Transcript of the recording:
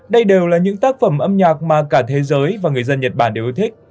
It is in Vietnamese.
đây đều là những tác phẩm âm nhạc mà cả thế giới và người dân nhật bản đều ưa thích